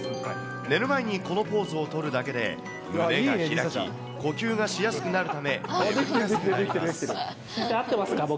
寝る前にこのポーズを取るだけで、胸が開き、呼吸がしやすくなるため、眠りやすくなります。